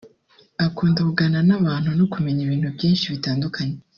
akunda kuganira n’abantu no kumenya ibintu byinshi bitandukanye